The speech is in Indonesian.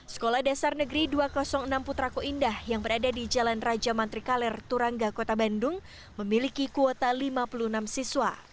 sekolah dasar negeri dua ratus enam putrako indah yang berada di jalan raja mantri kaler turangga kota bandung memiliki kuota lima puluh enam siswa